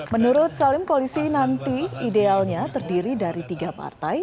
menurut salim koalisi nanti idealnya terdiri dari tiga partai